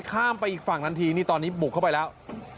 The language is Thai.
ข้ามไปอีกฝั่งทันทีนี่ตอนนี้บุกเข้าไปแล้ว